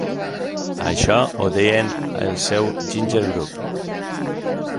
A això ho deien el seu Ginger Group.